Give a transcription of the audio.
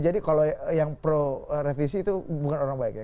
jadi kalau yang pro revisi itu bukan orang baik ya